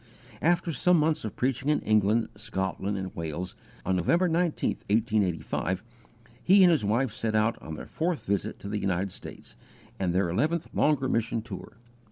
After some months of preaching in England, Scotland, and Wales, on November 19, 1885, he and his wife set out on their fourth visit to the United States, and their _eleventh longer mission tour.